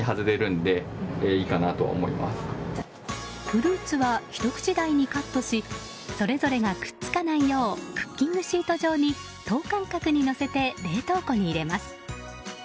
フルーツはひと口大にカットしそれぞれがくっつかないようにクッキングシート上に等間隔にのせて冷凍庫に入れます。